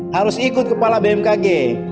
harus ikut kepala bmkg